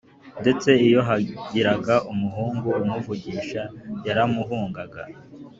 ndetse iyo hagiraga umuhungu umuvugisha, yaramuhungaga